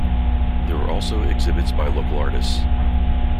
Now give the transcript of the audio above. There are also exhibits by local artists.